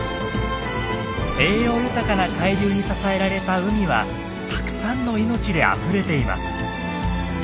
栄養豊かな海流に支えられた海はたくさんの命であふれています。